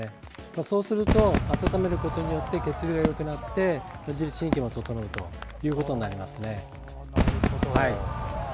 そうすると温めることで血流がよくなって自律神経も整うことになります。